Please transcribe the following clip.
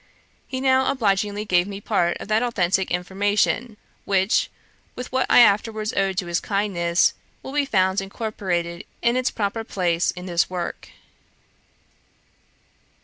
He now obligingly gave me part of that authentick information, which, with what I afterwards owed to his kindness, will be found incorporated in its proper place in this work.